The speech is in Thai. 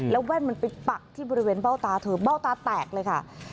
แล้วแว่นมันไปปักที่บริเวณเบ้าตาเธอเบ้าตาแตกเลยค่ะ